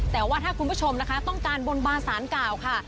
แต่ว่าถ้าคุณผู้ชมนะคะต้องการบนบานสารกล่าวค่ะ